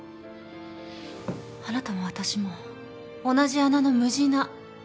あなたも私も同じ穴のむじな。